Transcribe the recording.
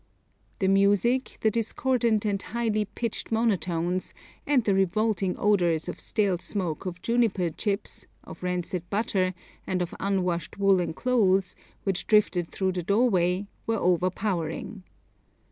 The music, the discordant and high pitched monotones, and the revolting odours of stale smoke of juniper chips, of rancid butter, and of unwashed woollen clothes which drifted through the doorway, were overpowering.